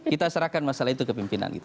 kita serahkan masalah itu ke pimpinan